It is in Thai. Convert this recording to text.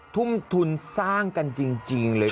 ทุ่มทุนสร้างกันจริงเลย